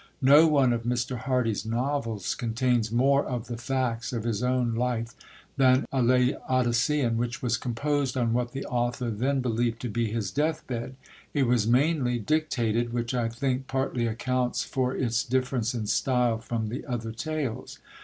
No one of Mr. Hardy's novels contains more of the facts of his own life than A Laodicean, which was composed on what the author then believed to be his death bed; it was mainly dictated, which I think partly accounts for its difference in style from the other tales.